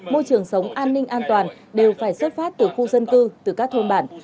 môi trường sống an ninh an toàn đều phải xuất phát từ khu dân cư từ các thôn bản